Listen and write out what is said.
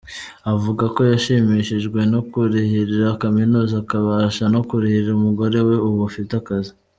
Avuga ko yashimishijwe no kwirihira kaminuza akabasha no kurihira umugore we ubu ufite akazi.